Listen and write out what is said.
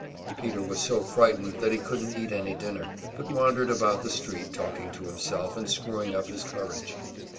Peter was so frightened that he couldn't eat any dinner, but wandered about the street talking to himself and screwing up his courage.